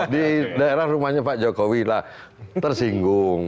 di daerah rumahnya pak jokowi lah tersinggung